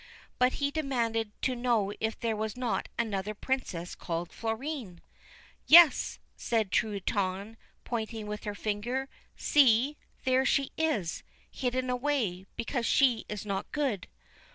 But he demanded to know if there was not another Princess called Florine? ' Yes,' said Truitonne, pointing with her finger ;' see, there she is, hidden away, because she is not good.'